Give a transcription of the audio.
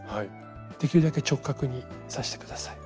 できるだけ直角に刺して下さい。